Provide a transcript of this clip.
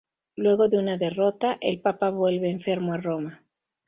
Luego de una derrota, el Papa vuelve enfermo a Roma.